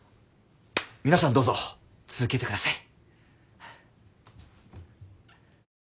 皆さんどうぞ続けてください。